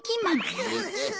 グフフフ！